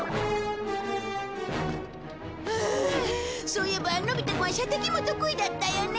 そういえばのび太くんは射的も得意だったよね。